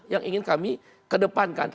yang ingin kami kedepankan